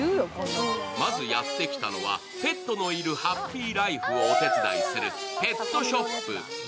まずやってきたのは、ペットのいるハッピーライフをお手伝いするペットショップ、ＪＯＫＥＲ